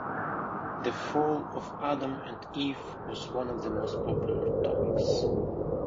"The Fall of Adam and Eve" was one of the most popular topics.